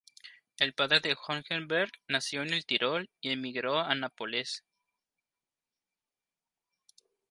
El padre de Hohenberg nació en el Tirol y emigró a Nápoles.